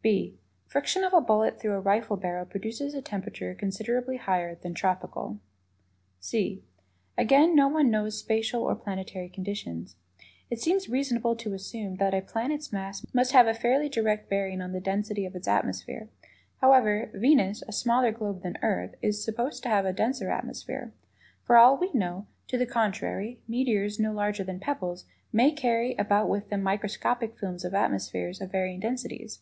(b) Friction of a bullet through a rifle barrel produces a temperature considerably higher than "tropical." (c) Again, no one knows spacial or planetary conditions. It seems reasonable to assume that a planet's mass may have a fairly direct bearing on the density of its atmosphere. However, Venus, a smaller globe than Earth, is supposed to have a denser atmosphere. For all we know to the contrary, meteors no larger than pebbles may carry about with them microscopic films of "atmospheres" of varying densities.